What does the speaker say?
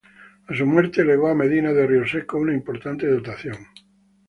A su muerte, legó a Medina de Rioseco una importante dotación.